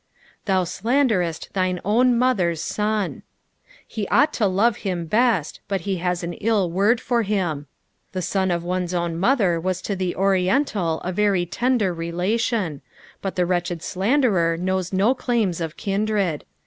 "Thoutlkndereet thine own mother' § ton." He ought to love him best, but he has an ill word for him. The son of one's own mother was to 436 S1F061T101T9 OF THE PSALMS. the Oriental a verj tender relation ; but the wretched slanderer knows no cltume of kindred.